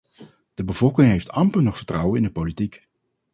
De bevolking heeft amper nog vertrouwen in de politiek.